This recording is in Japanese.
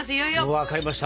分かりました。